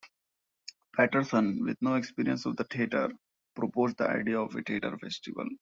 Patterson, with no experience of the theatre, proposed the idea of a theatre festival.